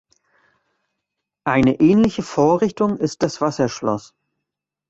Eine ähnliche Vorrichtung ist das Wasserschloss.